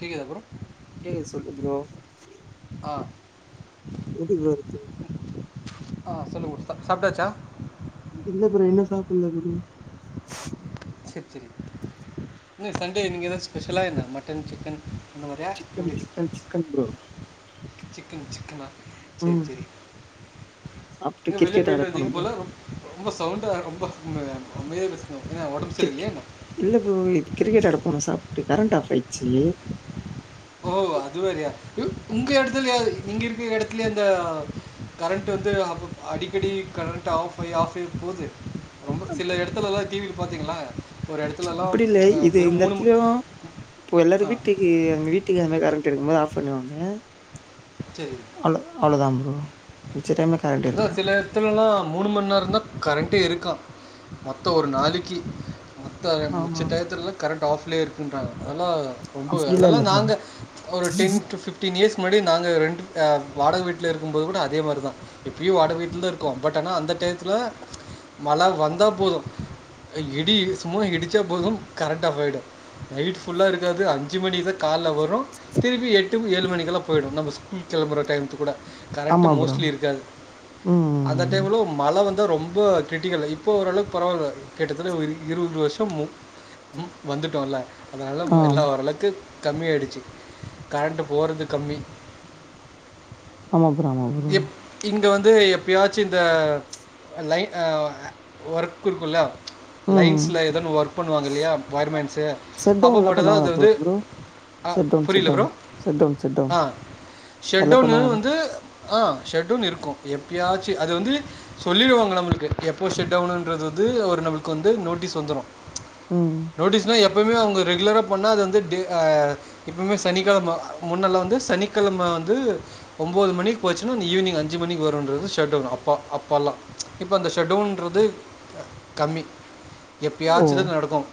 கேக்குதா புரோ கேக்குது சொல்லு ப்ரோ ஆ கேக்குது ப்ரோ எனக்கு ஆ சொல்லு ப்ரோ சாப்ட்டாச்சா இல்ல ப்ரோ இன்ன சாப்புல்ல ப்ரோ செரி இன்ன சண்டே நீங்க எதாச்சு ஸ்பெஷலா என்ன மட்டன் சிக்கன் அந்த மாதிரியா சிக்கனு எப்படி சிக்கன் சிக்கன் ப்ரோ சிக்கன் சிக்கனா சேரி ம் செரி சாப்ட்டு நீங்க வெளிய கிரிக்கெட் ஆட பேயிட்டு போனோ வந்தீங்க ப்ரோ போல ரொம்ப சவுண்டா ரொம்ப ம் அமைதியா பேஸ் கிரிக்க இல்ல ப்ரோ இத் கிரிக்கெட் ஆட போனோ சாப்ட்டு கரண்ட்டு ஆஃப் ஆயிச்சி ஓ அது வேறயா உங்க எடத்துலயா இங்க இருக்குற எடத்துலயா அந்த கரண்ட்டு வந்து அப்போ அடிக்கடி கரண்ட்டு ஆஃப் ஆயி ஆஃப் ஆயி போது ரொம்ப சில எடத்துலலா டிவி பாத்தீங்களா இப்டி இல்ல இது எந்த எடத்துலயு இப்போ எல்லாரு ஆ வீட்டுக்கு அவங்க வீட்டுக்கு கரண் ட்டு இருக்கும்போது ஆஃப் பண்ணுவாங்க அவ்ளோ அவ்ளோதா ப்ரோ மிச்ச டைம்ல கரண்ட் அதா இருக்கு சில எடத்துலல்லா மூணு மண் நேரந்தா கரண்ட்டே இருக்கா மொத்த ஒரு நாளக்கி மத்த ஆமா மிச்ச டைத்துலலா கரண்ட் டாஃப்லே இருக்குன்றாங்க அதலா ரொம்ப அப்டிலா அதல்லா இல்ல ப்ரோ நாங்க ஒரு டென் டு ஃபிஃப்டீன் இயர்ஸ் முன்னாடி நாங்க ரெண்ட்டு ஆ வாடக வீட்ல இருக்கும்போது கூட அதே மாரிதா இப்பயும் வாடக வீட்லதா இருக்கோம் பட் ஆனா அந்த டையத்துல மழ வந்தா போதும் இடி சும்மா இடிச்சா போதும் கரண்ட் ஆஃப் ஆயிடும் நைட் ஃபுல்லா இருக்காது அஞ்சு மணிதா கால்ல வரும் திருப்பி எட்டு ஏழு மணிக்கெல்லா போயிடும் நம்ம ஸ்கூ கெளம்புற டையத்துக்கு கூட கரண்ட்டு ஆமா ப்ரோ மோஸ்ட்லி இருக்காது அந்த ம் டைம்ல ம மழ வந்தா ரொம்ப கிரிட்டிக்கல் இப்போ ஓரளவுக்கு பரவால்ல கிட்டத்தட்ட ஒரு இருபது வருஷ மு வந்துட்டோல்ல அதனால ஆம் எல்லா ஓரளவுக்கு கம்மி ஆயிடுச்சு கரண்ட்டு போறது கம்மி ஆமா ப்ரோ ஆமா ப்ரோ இங்க வந்து எப்பயாச்சு இந்த லைன் ஆ ஒர்க் இருக்குல ம் லைன்ஸ்ல ஏதோன்னு ஒர்க் பண்ணுவாங்க இல்லியா ஒயர்மென்ஸு செட் அப்போ டவுன்லா மட்டுந்தா அது பண்ணுவாங்களா ப்ரோ வந்து ப்ரோ ஆ செட் டவுன் செட் புரியல down bro set down set down ஆ நல்லா ஷட்டௌன்னு பண்ணுவாங்களா? வந்து ஆ ஷட் டௌன் இருக்கும் எப்பயாச்சு அது வந்து சொல்லிடுவாங்க நம்மளுக்கு எப்போ ஷட்டௌனுன்றது வந்து ஒரு நம்மளுக்கு வந்து நோட்டஸ் வந்துரும் ம். நோட்டிஸ்னா எப் எப்பவுமே அவுங்க ரெகுலரா பண்ணா அது வந்து டே ஆ எப்போவுமே சனிக்கெழம முன்னெல்லா வந்து சனிக்கெழம வந்து ஒம்போது மணிக்கு போச்சுன்னா அந்த ஈவினிங் அஞ்சு மணிக்கு வருன்றது ஷட்டௌனு அப்போ அப்பல்லாம் இப்ப அந்த ஷட்டௌனுன்றது கம்மி ஓ! எப்பயாச்சிதா நடக்கும்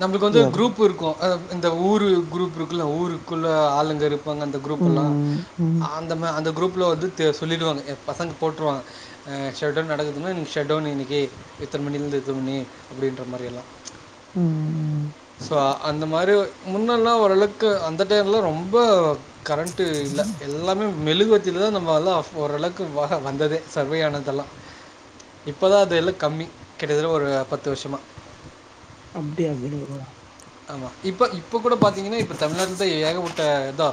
நம்பளுக்கு வந்து அப்படியா ப்ரோ? குரூப் இருக்கு இந்த ஊரு குரூப் இருக்கும்ல ஊருக்குள்ள ஆளுங்க இரு இருப்பாங்க அந்த குரூப் எல்லாம் ம், ம், அந்தமா அந்த குரூப் ல வந்து த சொல்லிடுவாங்க பசங்க போட்ருவாங்க ஆ ஷட்டௌன் நடக்குதுங்க இன்னைக்கு ஷட்டௌன்னு இன்னைக்கு இத்தன மணிலேருந்து இத்தன மணி அப்டின்ற மாரியெல்லா ம். சோ அந்த மாரி முன்னல்லா ஓரளவுக்கு அந்த டைம்லா ரொம்ப கரண்ட்டு இல்ல எல்லாமே மெலுகேவத்திலதா நம்மலாம் அப் ஓரளவுக்கு வந்ததே சர்வேயானதெல்லா இப்பதா அது எல்லா கம்மி கிட்டத்தட்ட ஒரு பத்து வருஷமா அப்டியா ப்ரோ ஆமா இப்ப இப்ப கூட பாத்தீங்கன்னா இப்ப தமிழ்நாட்ல தான் ஏகப்பட்டட்ட இதா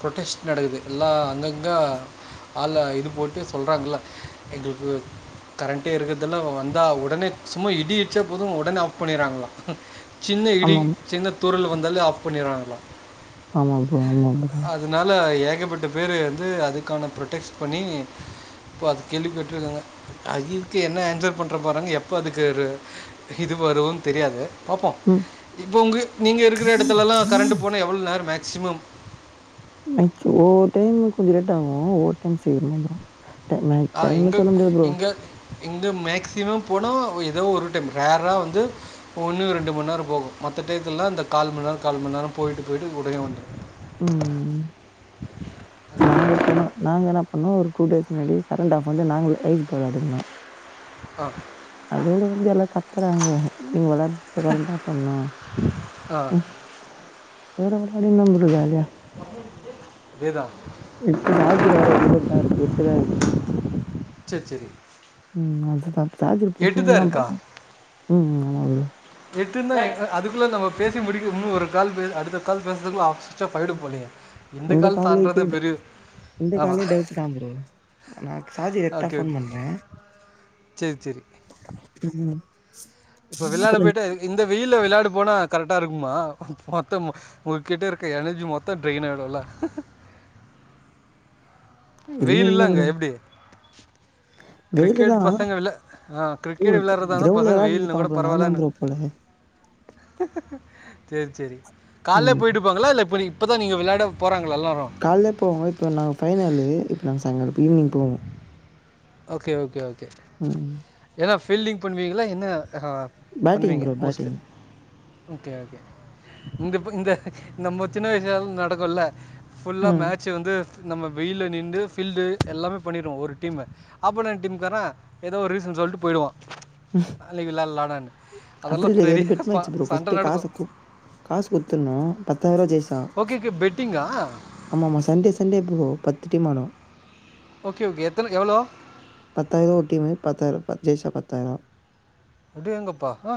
ப்ரொட்டெஸ்ட் நடக்குது எலாம் அங்கங்கே ஆள இது போட்டு சொல்றாங்கள எங்களுக்கு கரண்ட்டே இருக்கறதல வந்தால் உடனே சும்மா இடி இடிச்ச போதும் உடனே ஆஃப் பண்ணிறாங்களா சின்ன இடி ஆமாமா. சின்ன தூரல் வந்தாலே ஆஃப் பண்ணிறாங்கள ஆமா ப்ரோ ஆமா ப்ரோ அதனால ஏகப்பட்ட பேர் வந்து அதுக்கான ப்ரொடெக்ஸ்ட் பண்ணி இப்போ அது கேள்வி கேட்ருக்காங்க அதுக்கு என்ன ஆன்சர் பண்ற போறாங்க எப்போ அதுக்கு ஒரு இது வருன்னு தெரியாது பாப்போம் ம். இப்போ உங்க நீங்க இருக்கற இடத்தல எல்லாம் கரண்ட போனா எவ்வளவு நேரம் [unintelligible] ஹார் மேக்சிமம் ந ஒவ்வொரு டைம் கொஞ்சம் லேட் ஆகும் ஒவ்வொரு டைம் சீக்கிரமா வந்துரும் டைம்மாயி டைமெல்லாம் சொல்ல முடியாது ப்ரோ இங்க மேக்ஸிமம் போனா ஏதோ ஒரு டைம் ரேரா வந்து ஒன்னு ரெண்டு மண்நேரம் போகும் மத்த டையத்துல்லாம் இந்த கால் மண்நேரம் கால் மண்நேரம் போயிட்டு போயிட்டு உடனே வந்துரும் உம் நாங்க போனோம் நாங்க என்ன பண்ணோம் ஒரு டூ டேஸ் முன்னாடி கரண்ட் ஆஃப் பண்ணிட்டு நாங்களே ஐஸ் பாய் விளையாடிட்டு இருந்தோம் ஆ அதோடு வந்து எல்ல க தரங்க நீங்க வெளயாடரப்பா கரண்ட் ஆஃப் பண்ணோம் ஆ வேற விளையாடி [unintelligible] அதே தான் இப்ப சார்ஜர் வேற ஒன்பதுதான் இருக்கு எட்டுதான் இருக்கு சரி சரி ம் அதுதான் சார்ஜர் போட்டுட்டே தான் பண்ணேன் ம் ஆமா ப்ரோ எட்டு இருந்தா அதுக்குள்ள நம்ம பேசி முடிக்கனு இன்னும் ஒரு கால் பே அடுத்த கால் பேசறதுக்குள்ள அ சுவிட்ச் ஆஃப் ஆயிடும் போலயே இந்த கால் காலுக்கே தாண்டதே பெரிய இந்த ஆமாம் காலே டவுட் தான் ப்ரோ ஆன சார்ஜர் ஏத்தான் ஓகே ஓகே போன் பண்ணேன் இப்ப வெளையாட போயிட்டா இந்த வெயில்ல வெளையாடு ப்ப போனா கரெக்டா இருக்குமா மொத்தம் உங்க கிட்ட இருக்க எனர்ஜி மொத்தம் ட்ரெயின் ஆயிடும்ல்ல இல்ல வெயில் இல்ல எலாம் அங்க ப்ரோ எப்டி வெயிலு கிரிக்கெட் தா பசங்க விள ஆ கிரிக்கெட் வெளையாடுறதா இருந்தா கிரௌண்ட்ல பசங்க வெயில்ன்னு வெளாடிட்ருப்பா கூட ப்ரோ நா தா பரவாயிலன்னு ப்ரோ போல செரி செரி காலைலே ம் போயிட்டுப்பாங்களா இல்ல இப்புடி இப்பதா நீங்க வெளயாட போறாங்க காலலே போவோம் இப்ப நா ஃபைனலு நாங் சாயங்கால ஈவினிங் போவோ ஓகே ஓகே ஓகே ம் எனஃப் ஃபீல்டிங் பண்ணுவீங்களா என்ன ஹஹா பேட்டிங் பண்ணுவீங்க bro most batting okay okay இந்தபக் இந்த நம்ம சின்ன வயசு [unintelligible] நடக்குல்ல ஃபுல்லா ம் மேட்சு வந்து நம்ம வெயில்ல நின்டு ஃபீல்டு எல்லாமே பண்ணிறுவோ ஒரு டீம்மு ஆபனன்ட் டீம்காரே எதோ ஒரு ரீசன் சொல்ட்டு போய்டுவா அழிவில்லாலாடன் அப்டி இல்லயே இது வந்து பெட் மேச் ப்ரோ பஸ்டு காச குடு காஸ் குடுத்தர்னு பத்தாய்ருவா ஆ ஓகே ஓகே பெட்டிங்கா ஆமாமா சண்டே சண்டே ப்ரோ பத் திட்டி மானோ ஓகே ஓகே எத்தனை எவ்வளோ பத்தாயிரோ ஒரு டீம்மு பாத்தாயிரோ பத் ஜெய்ச்சா பத் பத்தாயிரோ அடேங்கப் ப்பா ஆ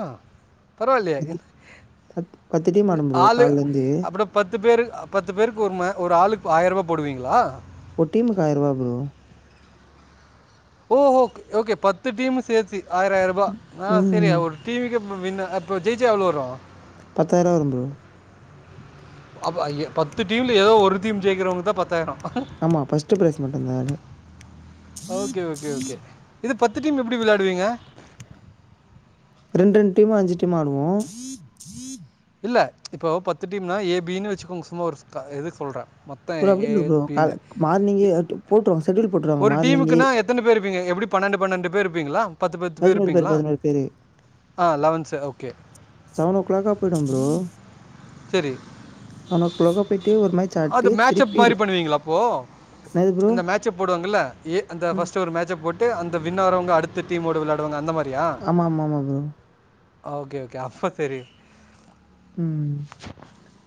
பரவால்லயே இன் பத்து பத்து டீம் ஆடும் ப்ரோ ஆளு கால்ல இருந்து அப்றோ பத்து பேரு அ பத்து பேருக்கு ஒரு ம ஒரு ஆளுக்கு ஆயிரருவா போடுவீங்ளா ஒரு டீம்க்கு ஆயர்ருவா ப்ரோ ஓ ஹோ ஓகே பத்து டீம்மு சேத்து ஆயர ஆயர்ருபா ஆ செரி ம். ஒரு டி விக்கே ம்மு வின்னு அப்ப ஜெய்ச்சா எவ்ளோ வரு பத்தாய்ருவா வரு ப்ரோ அப்ப ஏ பத்து டீம்ல ஏதோ ஒரு டீம் ஜெய்கறவங்களுக்தா பத்தாய்ரோ ஆமா பஸ்ட் ஃபிரைஸ் மட்டுதா அது ஓகே ஓகே ஓகே இது பத்து டீம் எப்டி விளையாடுவீங்க ரெண்டு ரெண்டு டீம்மா அஞ்சு டீம் ஆடுவோ இல்ல இப்போ பத்து டீம்னா ஏ பீனு வச்சுக்கோங்க சும்மா ஒரு க இதுக் சொல்றே மொத்தோ ப்ரோ அப்படி ஏ இல்ல ப்ரோ. கால பினு எ மார்னிங்கே அட்டு போட்டுருவாங்க. ஷெட்யூல் போட்டுருவாங்க. ஒரு மார்னிங்கே டீமுக்குன்னா எத்தன பேர் இப்பீங்க எப்டி பன்னண்டு பன்னண்டு பேர் இருப்பீங்ளா பத்து பத்து பேர் இருப்பீங்ளா ஆ லவன் சே ஓகே போய்டுவோ ப்ரோ சரி லவன் ஓ கிளாக்க போய்ட்டு ஒரு மாரி அது மேட்சப் மாரி பண்ணுவீங்களா அப்போ என்னது ப்ரோ? அந்த மேட்சப் போடுவாங்கள்ள ஏ அந்த ம். ஃபஸ்டு ஒரு மேச்ச போட் டு அந்த வின்னாவறவங்க அடுத்த டீமோட விளாடுவங்க அந்த மாரி ஆமாமா மா மா ப்ரோ ஓகே ஓகே அப்ப தெரியு ம்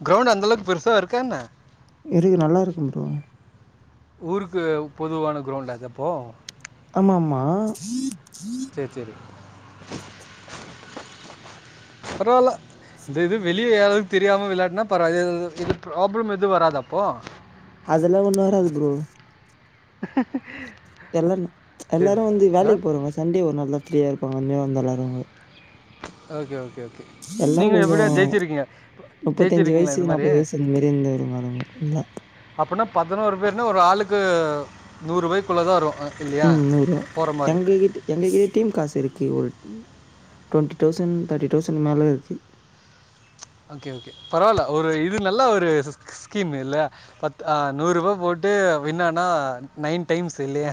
கிரௌண்ட் அந்தளுக் பெருசா இருக்கா என்ன இருகு நல்லாருக்கும் ப்ரோ ஊருக்கு பொதுவான கிரௌண்டாதப்போ ஆமா மா சேர் சேரி பரவால்ல இந்த இது வெளிய யாராது தெரியாம விளாட்னா பரவா இது ப்ராப்ளம் எது வராதாப்போ அதல்லா ஒண்ணு வராது ப்ரோ எல்லன்ன எல்லாரு சரி வந்து ஆ வேலைக் போறாவங்க சண்டே ஒரு நாள்தா ஃப்ரியா இருப்பாங்க ஒட்னே வந்தல்லாருவாங்க ஓகே ஓ எல்லா கொஞ்சோ னுப்பத்தஞ்சு ஜெயிச்சிருக்கீங்களா வய்சு இந்த நாப்பது மாதிரி வய்சு இந் மாரி இந்த [inaudible] எல்லா னா ஒராளுக்கு நூறு வய்குள்ள தா வரோ ம் நூறுவா எங்க கிட்ட எங்ககிட்யும் காசிருக்கி ஒரு ட்வொண்ட்டி தௌசண்ட் தேட்டி தௌசண்ட் மேல இருக்கு ஓகே ஓகே பரவால ஒரு இது நல்லா ஒரு ஸ்கீம் இல்ல பத் அ நூறுவா போட்டு வின் ஆனா நைன் டைம்ஸ் இல்லையா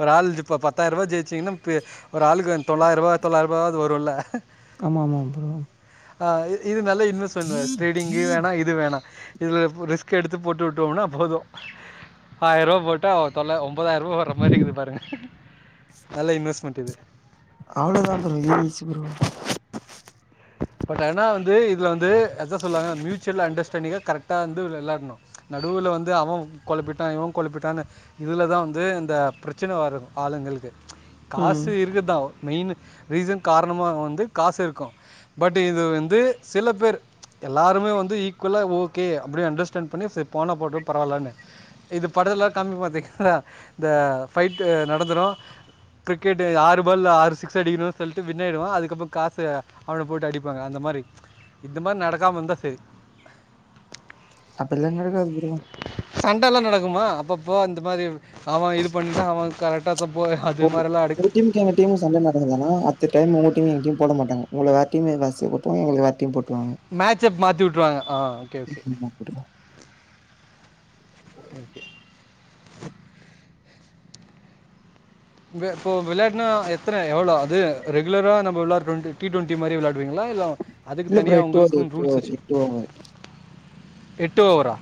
ஒரு ஆள்திப்ப பத்தாயிரபா ஜெய்ச்சீங்ன்னா பெ ஒரு ஆளுக்கு தொள்ளாயிரவா தொள்ளாயிருபா து வருல ஆமாமா ப்ரோ ஆஹ் இ இது நல்ல இன்வஸ் பண்வ ஸ்ட்ரேடிங்க்கு வேணா இது வேணா இதுல பொ ரிஸ்க் எடுத்து போட்டு உட்டோனா போது ஆயிரவா போட்டா தொல்லாயி ஒம் ஒம்பதாயிரவா வர்ற மாரிகிது பாருங்க நல்ல இன்வெஸ்ட்மெண்ட் இது அவ்ளோதான் ப்ரோ ஈஸி ப்ரோ. பட் ஆனா வந்து இ துல வந்து அதா சொல்வாங்க மியூச்சுவல் அண்டர்ஸ்டாண்டிங்க கரட் டா வந்து வெளாட்னு நடுவுல வந்து அவன் கொழப்பிட்டா இவன் கொழப்பிட்டான்னு இதுல தா வந்து இந்த ப்ரெச்சன வரு ஆளுங்களுக்கு ம் காசு இருக்குதா ஒ மெய்னு ரீசன் காரணமாக வந்து காசிருக்கு பட் இது வந்து சில பேர் எல்லாருமே வந்து ஈக்வலா ஓகே அப்டியே அண்டர்ஸ்டாண்ட் பண்ணி செர் போனா போட்டு பரவால்லன்னு இது படதுல்லா காமி பாத்தீஹ்லா இந்த ஃபைட்டு நடந்துறு கிரிக்கெட்டு ஆறு பால்ல ஆறு சிக்ஸ் அடிக்கணு சொல்ட்டு வின் ஆயிடுவா அதுக்கப்ப காசு அவன போட்டு அடிப்பாங்க அந்த மாரி இந்த மாரி நடக்காம இருந்தா சேரி அப்பில்லா [unintelligible] சண்டலா நடக்குமா அப்பப்போ அந்த மாரி அவன் இது பண்ணிடா அவன் கரட்டா உங்க டீம்க் எங்க டீம்க் சண்ட நடக்குதனா அட்த்த டைம் ஓ கிம் எங்கியு போட மாட்டாங்க உங்கள வேர் டீமு வஸி போட்ருவாங் எங்களுது வேர்டீம் போட் மேட்ச்சப் மாத்தி உட்ருவாங்க ஆ ஓகே ஓகே ஆமா ப்ரோ. ப இப்போ வெளான்னா எத்தன எவ்ளோ அது ரெகுலரா நம்ம வெ வெளார டி ட்வென்ட்டி மாரி வெளா ரிங்களா இல்ல அதுக்கு இல்ல ப்ரோ தனியா ஓவர் உங்களுக்குன் ரூல்ஸ் ஓவர் வச்சு ஓவர். எட்டு ஓவரா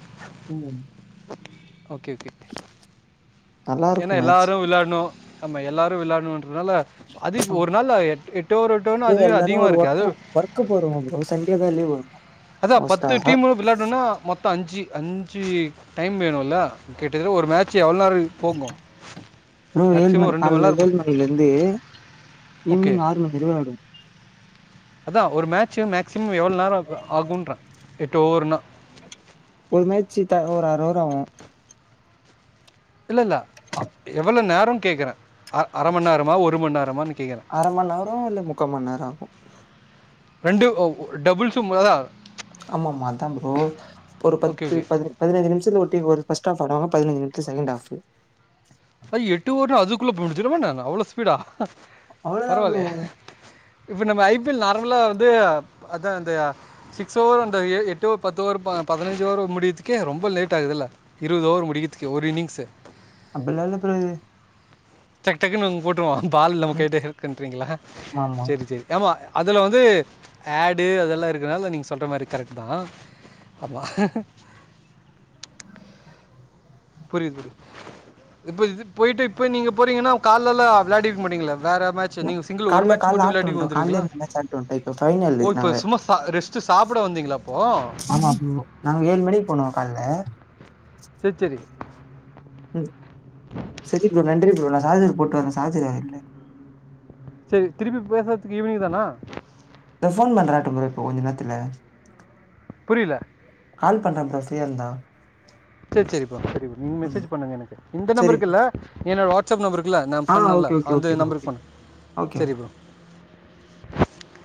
ம் ஓகே ஓகே நல்லா ஏன்னா இருக்கும் மேட்ச். எல்லாரு விளாடனு ஆமா எல்லாரு விளானு னால அது ஒரு நாள்ள எ எட்டு ஓவர் எட்டு ஓவர்னு ப்ரோ அதுவே எல்லாரும் அதிகமா ஒரு இருக்கு அது ஒர்க்கு ஒர்க்கு போறவங்க ப்ரோ. சண்டே தான் லீவ் வரும் அதா பத்து மோஸ்ட்டா. டீமு விளாடுனுனா மொத்தோ அஞ்சு அஞ்சு டைம் வேணுல்ல கேட்டது ஒரு மேட்ச் எவ்வளோ நேரம் போகும்? ப்ரோ ஏழு மேக்ஸிமம் மணி காலைல ஏழு நேரம். மணில இருந்து ஈவினிங் ஆறு மணி வர விளாடுவோ அதா ஒரு மேட்சு மேக்சிமம் எவ்வளோ நே ஆகுன்றே எட்டு ஓவர்ன்னா ஒரு மேச்சி த ஒரு ஆறு ஓவர் ஆவும் இல்ல இல்ல எவ்வளவு நேரோனு கேக்குறே அ அரமண் நேரமா ஒரு மண் நேரமான் அர மண் நேரம் இல்ல முக்கா மண் நேரம் ஆகு ரெண்டு டபுள்சு [unintelligible] ஆமா ஆமா அதா ப்ரோ ஒரு ஓகே, பத்து ஓகே. ப பதினஞ்சு நிமிஷத்துக் ஒரு டீம் வருது ஃபர்ஸ்ட் ஆஃப் ஆடுவாங் பதினஞ்சு நிமிஷ செகண்ட் ஆஃப் அது எட்டு ஓவர்ல அதுக்குள்ள போடுச்சு [unintelligible] அவ்வளோ ஸ்பீடா அவ்வளதா ப்ரோ பரவாயில்லையே! இப்ப நம்ம ஐ பி எல் நார்மலா வந்து அதா அந்த சிக்ஸ் ஓவர் அந்த எட்டு பத்து ஓவர் ப பதினஞ்சு ஓவர் முடியதுக்கே ரொம்ப லேட் ஆகுதுல்ல இருவது ஓவர் முடிக்கதுக்கே ஒரு இன்னிங்ஸு அப்புலா இல்ல ப்ரோ இது டக்டக்னு அவங் போட்ருவா பால் நம்ம ம் கைட்ட இருக்குன்றீங்களா ஆமாமா செரி செரி ஆமா அதுல வந்து ஆடு அதெல்லா இருக் னால நீங்க சொல்ற மாறி கரெக்ட்தா ஆமா புரியுது புரியு இப்ப இது போயிட்டு இப்ப நீங்க போறீங்கனா காலல்லா விளயாடியிருக்க மாட்டீங்களே கால்ல கால்ல ஆட்டு வன்டோ கால்லயே வந்துருவீங்களா ரெண்டு மேட்ச் ஆட்டுவன்டோ இப்ப பைனல்லு ஓ இப்போ நாங்க சும்மா சா ரெஸ்ட்டு சாப்பிட வந்தீங்களா அப்போ ஆமா ப்ரோ நாங்க ஏழு மணிக்கு போனோ கால்ல செர் செரி உம் சரி ப்ரோ நன்றி ப்ரோ நா [unintelligible] போட்டு வரே சார்ஜரு வேற இல்ல சரி திருப்பி பேசறதுக்கு ஈவினிங் தானா தா போன் பண்ராட்ட ப்ரோ இப்போ கொஞ்ச நேரத்துல புரில கால் பண்ணறே ப்ரோ ஃப்ரீயா இருந்தா செரி செரிப்பா சரி நீங்க ம் மெசஜ் பண்ணுங்க எனக்கு இந்த சரி ப்ரோ நம்பருக்கு இல்ல என்னோட வாட்ஸ்அப் நம்பருக்குல்ல நான் ஆ பண்ணல ஓகே ஓகே அந்த ஓகே ப்ரோ நம்பருக்கு ஓகே பண்ணு ஓகே சரி ப்ரோ